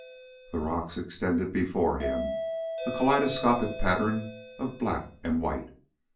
The rocks extended before him, a kaleidoscopic pattern of black and white.